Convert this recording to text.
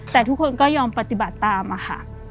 แต่ทุกคนก็ยอมปฏิบัติตามอะค่ะ